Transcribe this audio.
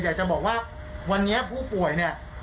อยากจะบอกว่าวันนี้ผู้ป่วยเนี่ย